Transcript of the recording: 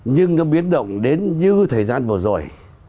nhưng nó biến động đến như thời gian vừa rồi